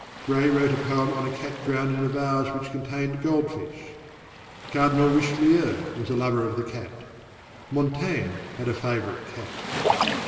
Gray wrote a poem on a cat drowned in a vase which contained gold fish. Cardinal Richelieu was a lover of the cat. Montaigne had a favourite cat.